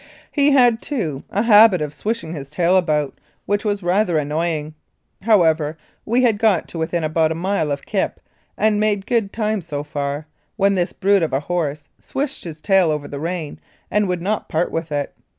He had, too, a habit of swishing his tail about, which was rather annoying. However, we had got to within about a mile of Kipp, and had made good time so far, when this brute of a horse swished his tail over the rein and would not part with it.